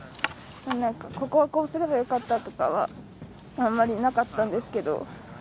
ここをこうすればよかったとかはあんまりなかったんですけど。